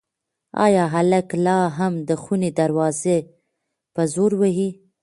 ایا هلک لا هم د خونې دروازه په زور وهي؟